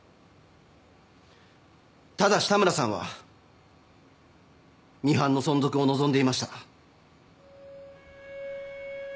ただし田村さんはミハンの存続を望んでいました。